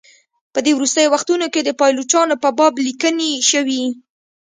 په دې وروستیو وختونو کې د پایلوچانو په باب لیکني شوي.